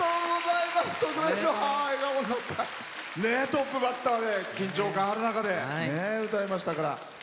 トップバッターで緊張感ある中で歌いましたから。